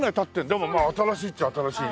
でも新しいっちゃ新しいね。